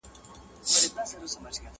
بيزو وان يې پر تخت كښېناوه پاچا سو٫